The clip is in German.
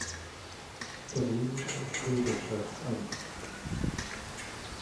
Bremischen Bürgerschaft an.